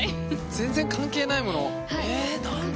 全然関係ないもの？